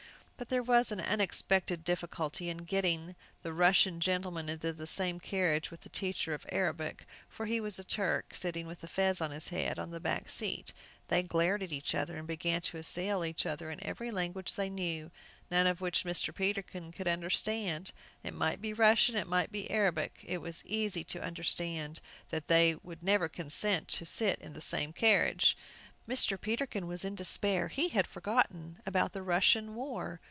But there was an unexpected difficulty in getting the Russian gentleman into the same carriage with the teacher of Arabic, for he was a Turk, sitting with a fez on his head, on the back seat! They glared at each other, and began to assail each other in every language they knew, none of which Mr. Peterkin could understand. It might be Russian, it might be Arabic. It was easy to understand that they would never consent to sit in the same carriage. Mr. Peterkin was in despair; he had forgotten about the Russian war!